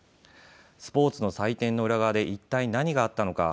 スポーツの祭典の裏側で一体、何があったのか。